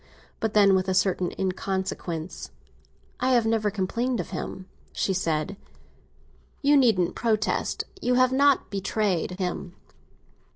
But then, with a certain inconsequence—"I have never complained of him!" she said. "You needn't protest—you have not betrayed him.